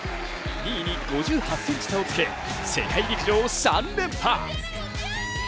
２位に５８ｃｍ差をつけ世界陸上３連覇。